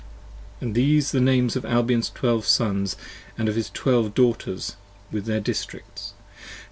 10 And these the Names of Albion's Twelve Sons, & of his Twelve Daughters With their Districts.